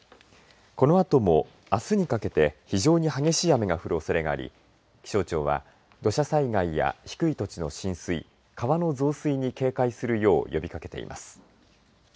このあともあすにかけて非常に激しい雨が降るおそれがあり気象庁は土砂災害や低い土地の浸水川の増水に警戒するよう呼びかけています。